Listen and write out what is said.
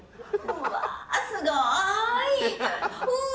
うわあ、すごい！